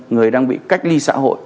người đang bị cách ly xã hội